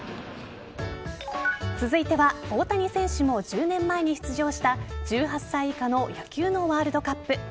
続いては大谷選手も１０年前に出場した１８歳以下の野球のワールドカップ。